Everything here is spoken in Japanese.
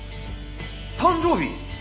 誕生日？